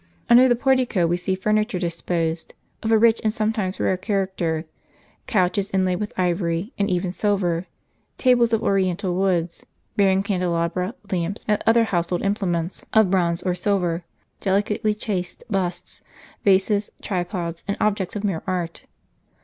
Under the portico we see furniture disposed, Door of pa„ea'Bhoase,^wiattie greeting SAI.VE of a Hch and somctimes rarcchar acter; couches inlaid with ivory, and even silver ; tables of oriental woods, bearing candelabra, lamps, and other household implements of bronze or silver ; delicately chased busts, vases, tripods, and objects of mere art.